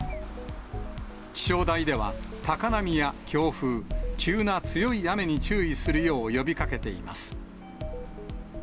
気象台では、高波や強風、急な強い雨に注意するよう呼びかけています。